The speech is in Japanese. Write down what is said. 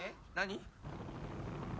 何？